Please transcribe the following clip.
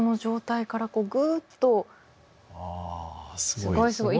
すごいすごい。